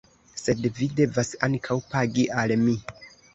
Sed vi devas ankaŭ pagi al mi!